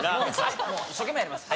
はいもう一生懸命やります。